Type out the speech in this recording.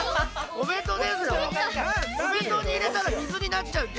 お弁当にいれたらみずになっちゃうっち。